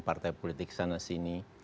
partai politik sana sini